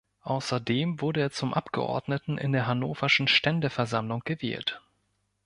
Außerdem wurde er zum Abgeordneten in der Hannoverschen Ständeversammlung gewählt.